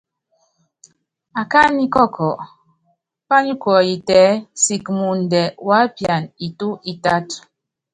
Akání kɔkɔ, pányikuɔyiti ɛ́ɛ siki muundɛ wuápiana itu itátɔ́.